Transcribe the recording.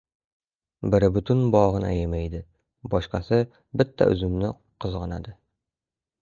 • Biri butun bog‘ini ayamaydi, boshqasi bitta uzumni qizg‘onadi.